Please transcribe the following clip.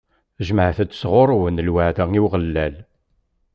Jemɛet-d sɣur-wen lweɛda i Umeɣlal.